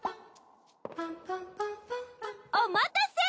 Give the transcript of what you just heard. ・お待たせ！